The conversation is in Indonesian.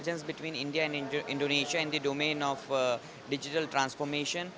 kembang antara indonesia dan india dalam domen transformasi digital